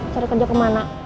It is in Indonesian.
cari kerja kemana